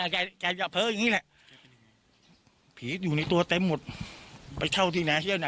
แกอย่าเพ้ออย่างนี้แหละผีอยู่ในตัวเต็มหมดไปเช่าที่ไหน